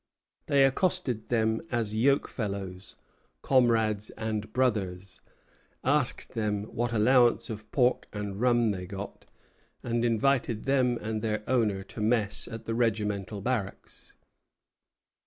They accosted them as yoke fellows, comrades, and brothers; asked them what allowance of pork and rum they got; and invited them and their owner to mess at the regimental barracks.